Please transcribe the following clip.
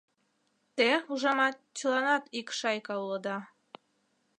Те, ужамат, чыланат ик шайка улыда.